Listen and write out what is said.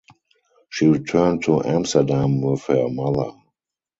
She returned to Amsterdam with her mother.